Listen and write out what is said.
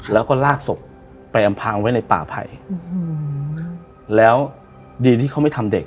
แล้วก็ลากศพไปอำพางไว้ในป่าไผ่อืมแล้วดีที่เขาไม่ทำเด็ก